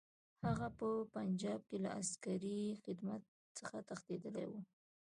هغه په پنجاب کې له عسکري خدمت څخه تښتېدلی وو.